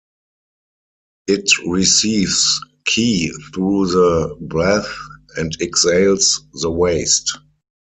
It receives qi through the breath, and exhales the waste.